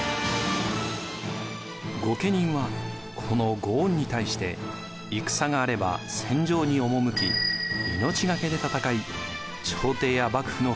御家人はこの御恩に対して戦があれば戦場に赴き命懸けで戦い朝廷や幕府の警護にも当たりました。